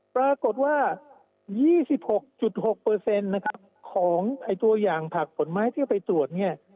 ปรากฏว่า๒๖๖เปอร์เซ็นต์นะครับของไอ้ตัวอย่างผักผลไม้ที่ไปตรวจเนี่ย